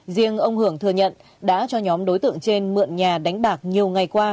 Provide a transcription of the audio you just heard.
riêng ông hưởng thừa nhận đã cho nhóm đối tượng trên mượn nhà đánh bạc nhiều ngày qua